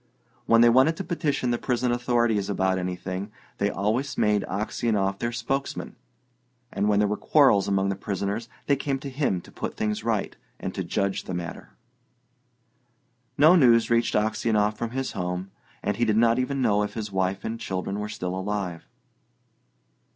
When they wanted to petition the prison authorities about anything, they always made Aksionov their spokesman, and when there were quarrels among the prisoners they came to him to put things right, and to judge the matter. No news reached Aksionov from his home, and he did not even know if his wife and children were still alive.